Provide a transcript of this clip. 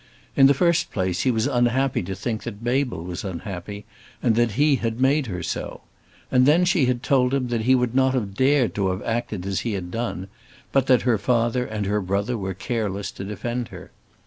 In the first place he was unhappy to think that Mabel was unhappy, and that he had made her so. And then she had told him that he would not have dared to have acted as he had done, but that her father and her brother were careless to defend her.